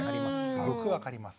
すごく分かります。